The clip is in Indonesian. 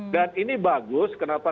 dan ini bagus kenapa